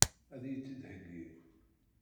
Ad iyi-tt-id-theggi?